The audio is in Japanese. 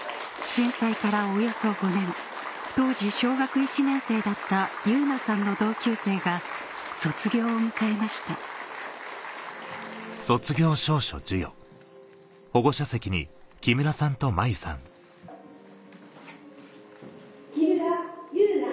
・震災からおよそ５年当時小学１年生だった汐凪さんの同級生が卒業を迎えました木村汐凪。